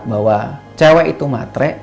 bahwa cewek itu matre